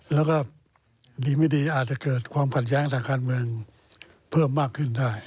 แล้วก็ดีไม่ดีอาจจะเกิดความขัดแย้งทางการเมืองเพิ่มมากขึ้นได้